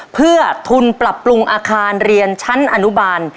เพื่อทุนปรับปรุงอาคารเรียนชั้นอนุบาล